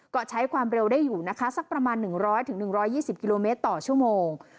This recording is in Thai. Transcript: ก็ใช้ความเร็วได้อยู่นะคะสักประมาณ๑๐๐๑๒๐กิโลเมตรต่อชั่วโมง